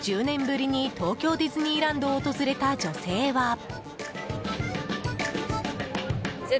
１０年ぶりに東京ディズニーランドを訪れた女性は。